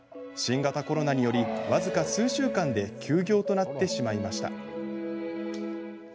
新型コロナにより、僅か数週間で休業となってしまいました。